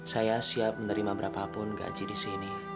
saya siap menerima berapapun gaji di sini